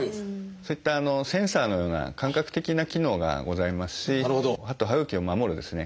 そういったセンサーのような感覚的な機能がございますし歯と歯ぐきを守るですね